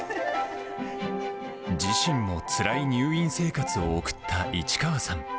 自身もつらい入院生活を送った市川さん。